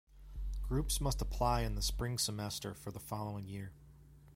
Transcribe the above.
Groups must apply in the spring semester for the following year.